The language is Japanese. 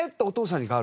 お父さん？